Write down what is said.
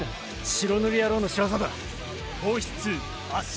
白塗り野郎の仕業だ。